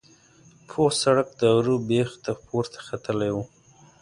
پوخ سړک د غره بیخ ته پورته ختلی و.